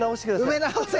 埋め直せ！